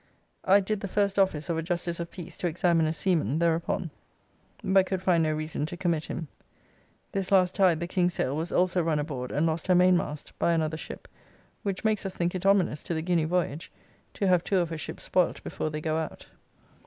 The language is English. I did the first office of a justice of Peace to examine a seaman thereupon, but could find no reason to commit him. This last tide the Kingsale was also run aboard and lost her mainmast, by another ship, which makes us think it ominous to the Guiny voyage, to have two of her ships spoilt before they go out.